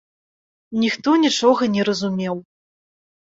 Ніхто нічога не разумеў.